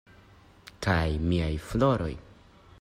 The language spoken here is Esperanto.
Kaj miaj floroj?